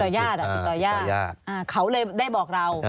ติดต่อยาดเขาเลยได้บอกเรา